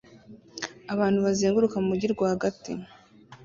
Abantu bazenguruka mu mujyi rwagati